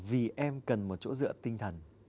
vì em cần một chỗ dựa tinh thần